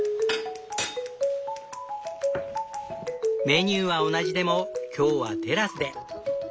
メニューは同じでも今日はテラスで。